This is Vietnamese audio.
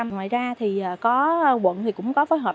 ngoài ra thì quận cũng có phối hợp